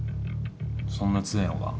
そんな強えのか？